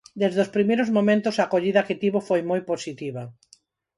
Desde os primeiros momentos a acollida que tivo foi moi positiva.